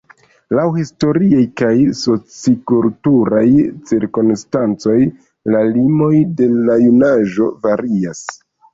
Laŭ historiaj kaj soci-kulturaj cirkonstancoj la limoj de la junaĝo varias.